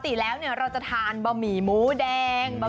ฟิวชั่นคือบะหมี่ที่ของเราคิดตามแนวที่มันน่าจะเป็นไปได้ของลูกค้า